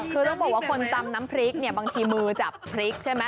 คือต้องบอกว่าคนตำน้ำพริกเนี่ยบางทีมือจับพริกใช่ไหม